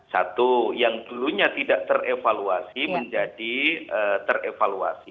satu yang dulunya tidak terevaluasi menjadi terevaluasi